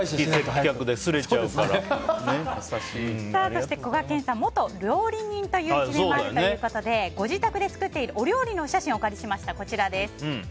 そしてこがけんさん元料理人という一面もあるということでご自宅で作っているお料理のお写真をお借りしました。